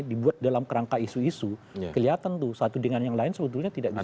dibuat dalam kerangka isu isu kelihatan tuh satu dengan yang lain sebetulnya tidak bisa